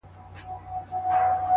o نن دي دواړي سترگي سرې په خاموشۍ كـي،